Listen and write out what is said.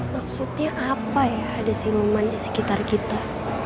maksudnya apa ya ada simuman di sekitar kita